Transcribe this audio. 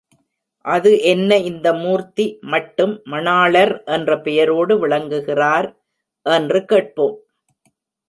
அது என்ன இந்த மூர்த்தி மட்டும் மணாளர் என்ற பெயரோடு விளங்குகிறார் என்று கேட்போம்.